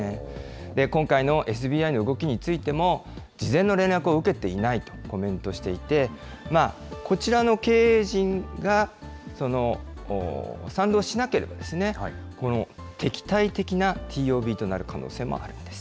今回のＳＢＩの動きについても、事前の連絡を受けていないとコメントしていて、こちらの経営陣が賛同しなければ、この敵対的なＴＯＢとなる可能性もあるんです。